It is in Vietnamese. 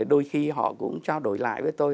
đôi khi họ cũng trao đổi lại với tôi